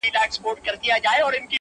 خو ذهن کي يې شته ډېر,